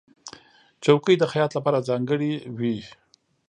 چوکۍ د خیاط لپاره ځانګړې وي.